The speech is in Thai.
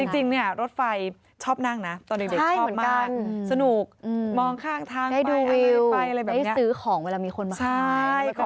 จริงเนี่ยรถไฟชอบนั่งนะตอนเด็กชอบมากสนุกมองข้างทางให้ดูวิวไปซื้อของเวลามีคนมา